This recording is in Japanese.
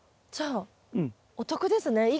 じゃあお得ですね。